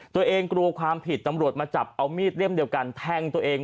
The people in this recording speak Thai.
ตัวเองกลัวความผิดตำรวจมาจับเอามีดเล่มเดียวกันแทงตัวเอง